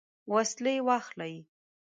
وسلې واخلي.